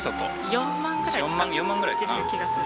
４万ぐらい。